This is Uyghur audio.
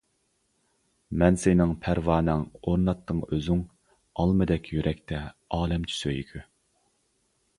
مەن سېنىڭ پەرۋانەڭ، ئورناتتىڭ ئۆزۈڭ، ئالمىدەك يۈرەكتە ئالەمچە سۆيگۈ.